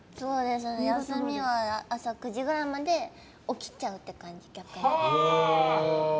休みは朝９時くらいまで起きちゃうって感じです。